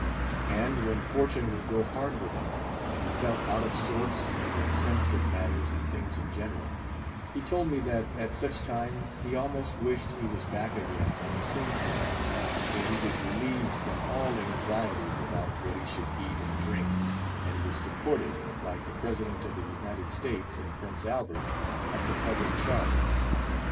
And when fortune would go hard with him, and he felt out of sorts, and incensed at matters and things in general, he told me that, at such time, he almost wished he was back again in Sing Sing, where he was relieved from all anxieties about what he should eat and drink, and was supported, like the President of the United States and Prince Albert, at the public charge.